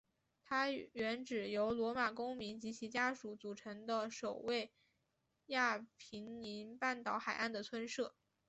它原指由罗马公民及其家属组成的守卫亚平宁半岛海岸的村社。